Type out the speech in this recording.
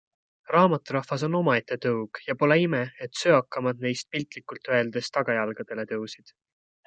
Raamaturahvas on omaette tõug ja pole ime, et söakamad neist piltlikult öeldes tagajalgadele tõusid.